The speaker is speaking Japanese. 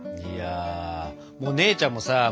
いやもう姉ちゃんもさ